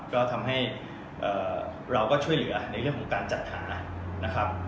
ก็ทำให้เราก็ช่วยเหลือในเรื่องของการจัดหานะครับ